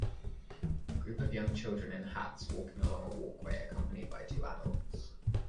A group of young children in hats walking along a walkway accompanied by two adults.